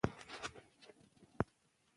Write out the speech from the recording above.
لوستې میندې د ماشوم لپاره خوندي کور جوړوي.